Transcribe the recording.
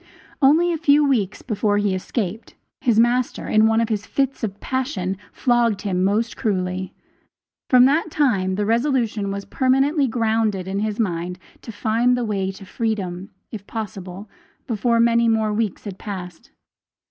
Only a few weeks before he escaped, his master, in one of his fits of passion, flogged him most cruelly. From that time the resolution was permanently grounded in his mind to find the way to freedom, if possible, before many more weeks had passed.